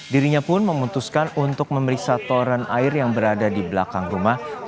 dirinya pun memutuskan untuk memeriksa toran air yang berada di belakang rumah